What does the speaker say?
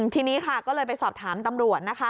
ทีนี้เราก็เลยไปสอบถามตำรวจ